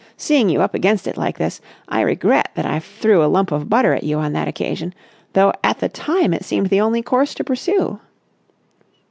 Seeing you up against it like this, I regret that I threw a lump of butter at you on that occasion, though at the time it seemed the only course to pursue."